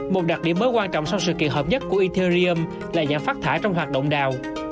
một đặc điểm mới quan trọng sau sự kiện hợp nhất của italyum là giảm phát thải trong hoạt động đào